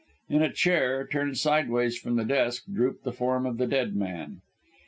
In a chair, turned sideways from the desk, drooped the form of the dead man.